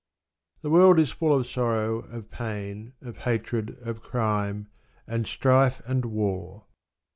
The world is full of sorrow, of pain, of hatred and crime, and strife and war.